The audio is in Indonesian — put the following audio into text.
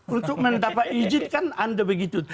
untuk mendapat izin kan anda begitu